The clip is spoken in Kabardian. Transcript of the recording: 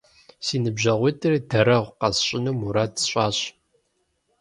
Си ныбжьэгъуитӏыр дарэгъу къэсщӀыну мурад сщӀащ.